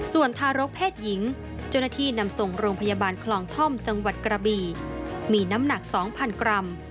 ส่วนทารกเพศหญิงเจ้าหน้าที่นำส่งโรงพยาบาลคลองท่อมจังหวัดกระบีมีน้ำหนัก๒๐๐กรัม